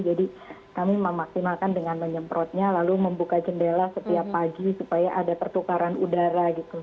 jadi kami memaksimalkan dengan menyemprotnya lalu membuka jendela setiap pagi supaya ada pertukaran udara